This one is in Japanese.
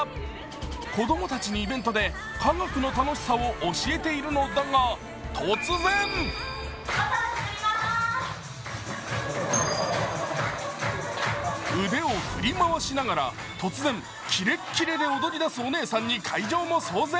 子供たちにイベントで科学の楽しさを教えているのだが、突然腕を振り回しながら突然キレッキレで踊り出すお姉さんに会場も騒然。